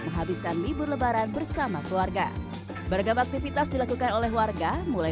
menghabiskan libur lebaran bersama keluarga beragam aktivitas dilakukan oleh warga mulai